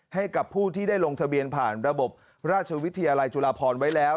ให้กับผู้ที่ได้ลงทะเบียนผ่านระบบราชวิทยาลัยจุฬาพรไว้แล้ว